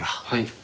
はい。